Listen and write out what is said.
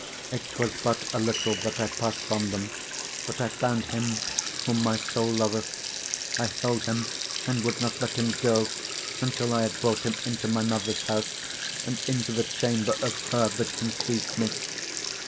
3:4 It was but a little that I passed from them, but I found him whom my soul loveth: I held him, and would not let him go, until I had brought him into my mother's house, and into the chamber of her that conceived me.